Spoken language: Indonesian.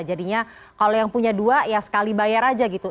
jadinya kalau yang punya dua ya sekali bayar aja gitu